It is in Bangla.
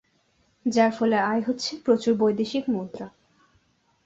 যার ফলে আয় হচ্ছে প্রচুর বৈদেশিক মুদ্রা।